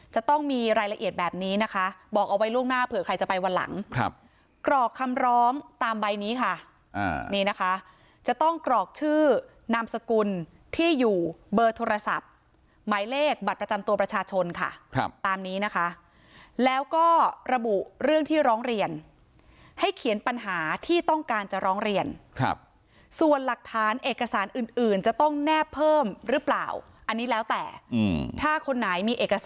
จะต้องมีรายละเอียดแบบนี้นะคะบอกเอาไว้ล่วงหน้าเผื่อใครจะไปวันหลังครับกรอกคำร้องตามใบนี้ค่ะนี่นะคะจะต้องกรอกชื่อนามสกุลที่อยู่เบอร์โทรศัพท์หมายเลขบัตรประจำตัวประชาชนค่ะครับตามนี้นะคะแล้วก็ระบุเรื่องที่ร้องเรียนให้เขียนปัญหาที่ต้องการจะร้องเรียนครับส่วนหลักฐานเอกสารอื่นอื่นจะต้องแนบเพิ่มหรือเปล่าอันนี้แล้วแต่ถ้าคนไหนมีเอก